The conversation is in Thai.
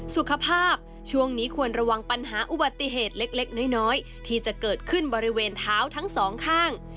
ช่วงนี้ควรระวังปัญหาอุบัติเหตุเล็กน้อยที่จะเกิดขึ้นบริเวณเท้าทั้งสองข้าง